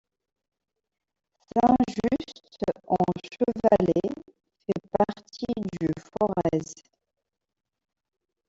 Saint-Just-en-Chevalet fait partie du Forez.